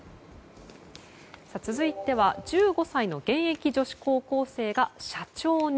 続いては１５歳の現役女子高校生が社長に。